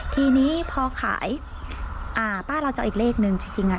ทีนี้พอขายอ่าป้าเราจะเอาอีกเลขนึงจริงจริงอ่ะ